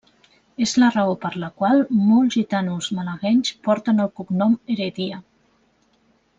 És la raó per la qual molts gitanos malaguenys porten el cognom Heredia.